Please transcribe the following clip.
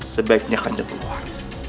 sebaiknya kanjeng keluar